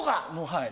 はい。